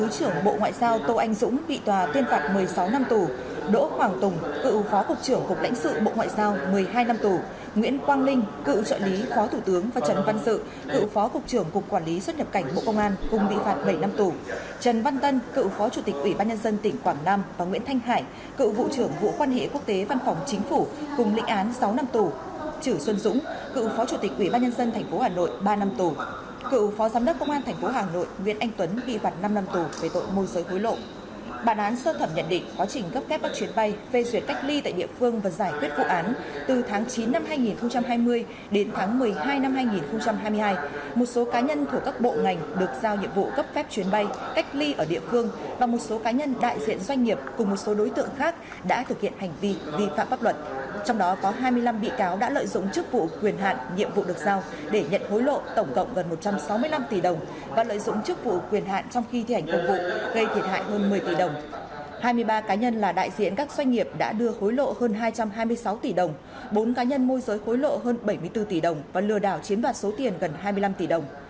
cùng bị ghét án về tội nhận hối lộ cựu thứ trưởng bộ ngoại giao tô anh dũng bị tòa tiên phạt một mươi sáu năm tù